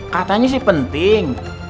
katanya sih penting